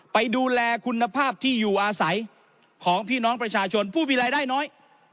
ไปดูแลคุณภาพที่อยู่อาศัยของพี่น้องประชาชนผู้มีรายได้น้อย